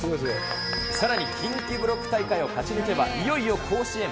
さらに、近畿ブロック大会を勝ち抜けば、いよいよ甲子園。